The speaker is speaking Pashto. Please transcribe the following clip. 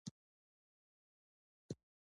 د نظم ساتل د عقل دنده ده.